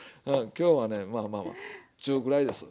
今日はねまあまあまあ中ぐらいです